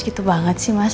gitu banget sih mas